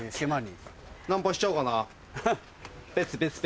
ナンパしちゃおうかな。